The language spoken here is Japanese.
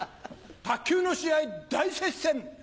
卓球の試合大接戦！